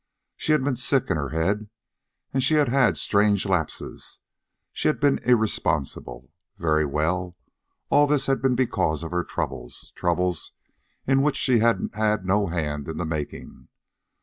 She had been sick in her head, she had had strange lapses, she had been irresponsible. Very well. All this had been because of her troubles troubles in which she had had no hand in the making.